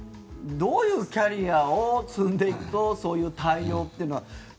どういうキャリアを積んでいくとそういう対応っていうのが。